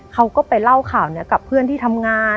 เขาก็ไปเล่าข่าวนี้กับเพื่อนที่ทำงาน